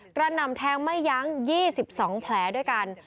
หน่ำแทงไม่ยั้ง๒๒แผลด้วยกัน